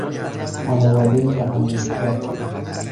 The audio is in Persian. خانوادهای به هم ریخته